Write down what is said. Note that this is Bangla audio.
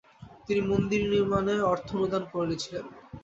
তিনি মন্দির নির্মাণে অর্থ অনুদান ও করেছিলেন।